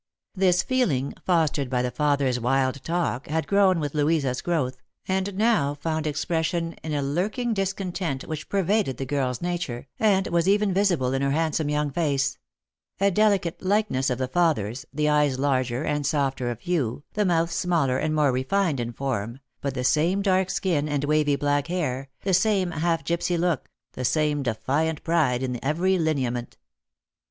This feeling, fostered by the father's wild talk, had grown with Louisa's growth, and now found expression in a lurking discontent which pervaded the girl's nature, and was even visible in her handsome young face ; a delicate likeness of the father's, the eyes larger and softer of hue, the mouth smaller and more refined in form, but the same dark skin and wavy black hair, the same half gipsy look, the same defiant pride in every lineament.